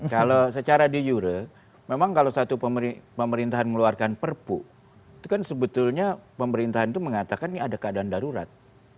kalau secara de jure memang kalau satu pemerintahan mengeluarkan perpu itu kan sebetulnya pemerintahan itu mengatakan ini ada keadaan darurat